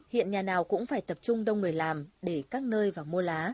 hiện nhà nào cũng phải tập trung đông người làm để các nơi và mua lá